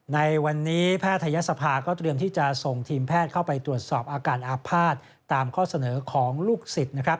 ในวันนี้แพทยศภาก็เตรียมที่จะส่งทีมแพทย์เข้าไปตรวจสอบอาการอาภาษณ์ตามข้อเสนอของลูกศิษย์นะครับ